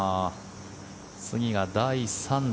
次が第３打。